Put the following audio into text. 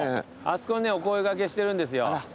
あそこにねお声掛けしてるんですよ。